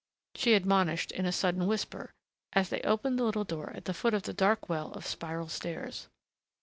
she admonished, in a sudden whisper, as they opened the little door at the foot of the dark well of spiral steps.